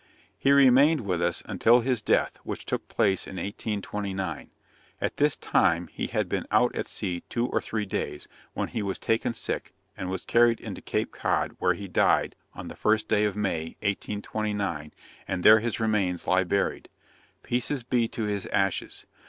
He remained with us, until his death, which took place in 1829. At this time he had been out at sea two or three days, when he was taken sick, and was carried into Cape Cod, where he died, on the first day of May, 1829, and there his remains lie buried. Peace be to his ashes!